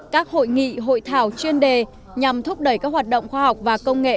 các hội nghị hội thảo chuyên đề nhằm thúc đẩy các hoạt động khoa học và công nghệ